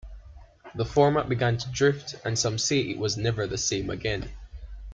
The format began to drift and some say it was never the same again.